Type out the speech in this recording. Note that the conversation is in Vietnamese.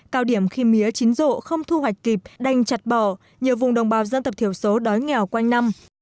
cao điểm khi mía chín rộ không thu hoạch kịp đành chặt bỏ nhiều vùng đồng bào dân tộc thiểu số đói nghèo quanh năm